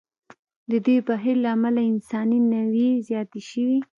د دې بهیر له امله انساني نوعې زیاتې شوې.